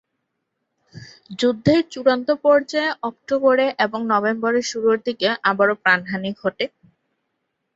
যুদ্ধের চূড়ান্ত পর্যায়ে অক্টোবরে এবং নভেম্বরের শুরুর দিকে আবারো প্রাণহানি ঘটে।